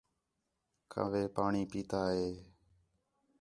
کوّے پاݨی پیتا ہِے